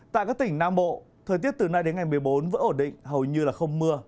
tại các tỉnh nam bộ thời tiết từ nay đến ngày một mươi bốn vẫn ổn định hầu như không mưa